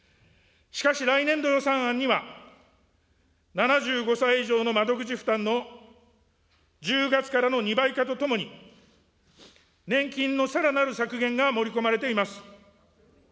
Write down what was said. しかし、来年度予算案には、７５歳以上の窓口負担の１０月からの２倍化とともに、年金のさらなる削減が盛り込まれています。